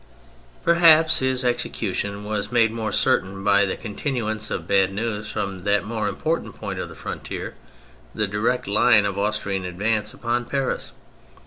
Perhaps his execution was made more certain by the continuance of bad news from that more important point of the frontier — the direct line of Austrian advance upon Paris.